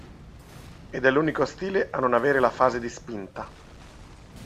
Ed è l'unico stile a non avere la fase di spinta.